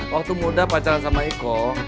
waktu muda pacaran sama eko